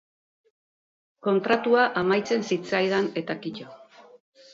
Kontratua amaitzen zitzaidan eta kito.